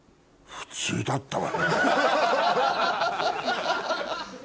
普通だったわ。